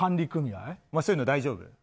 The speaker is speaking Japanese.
そういうの大丈夫？